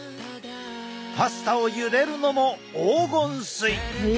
パスタをゆでるのも黄金水。